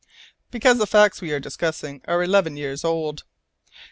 "Because the facts we are discussing are eleven years old."